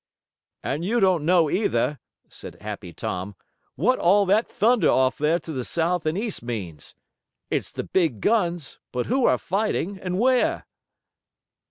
"And you don't know, either," said Happy Tom, "what all that thunder off there to the south and east means. It's the big guns, but who are fighting and where?"